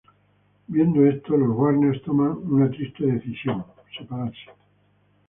Viendo esto, los Warner toman una triste decisión: separarse.